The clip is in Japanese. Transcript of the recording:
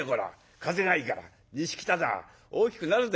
風がいいから西北だぁ大きくなるぜ。